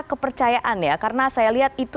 kepercayaan ya karena saya lihat itu